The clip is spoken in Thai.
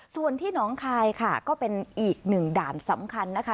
ส่วนที่หนองคายค่ะก็เป็นอีกหนึ่งด่านสำคัญนะคะ